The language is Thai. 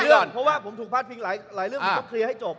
เพราะว่าผมถูกฟาดพิงหลายเรื่องมันจะเคลียร์ให้จบ